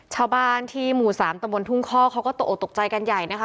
ชาวบ้านที่หมู่๓ตะบนทุ่งข้อเขาก็ตกออกตกใจกันใหญ่นะคะ